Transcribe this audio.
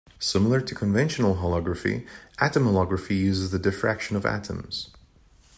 Similar to conventional holography, atom holography uses the diffraction of atoms.